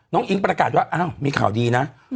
อิ๊งประกาศว่าอ้าวมีข่าวดีนะ